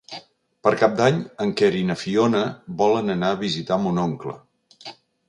Per Cap d'Any en Quer i na Fiona volen anar a visitar mon oncle.